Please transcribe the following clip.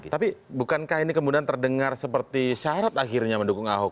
tapi bukankah ini kemudian terdengar seperti syarat akhirnya mendukung ahok